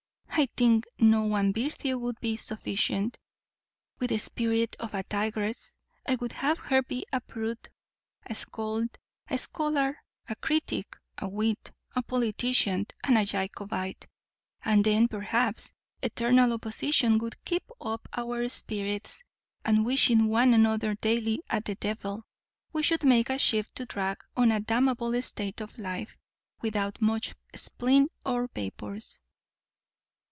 I think no one virtue would be sufficient. With the spirit of a tigress I would have her be a prude, a scold, a scholar, a critic, a wit, a politician, and a Jacobite; and then, perhaps, eternal opposition would keep up our spirits; and, wishing one another daily at the devil, we should make a shift to drag on a damnable state of life, without much spleen or vapours."